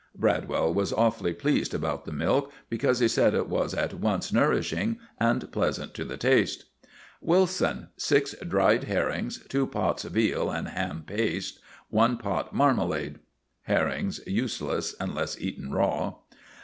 (Bradwell was awfully pleased about the milk, because he said it was at once nourishing and pleasant to the taste.) WILSON. Six dried herrings, two pots veal and ham paste, one pot marmalade. (Herrings useless, unless eaten raw.)